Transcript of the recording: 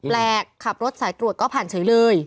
ขับรถสายตรวจก็ผ่านเฉยเลย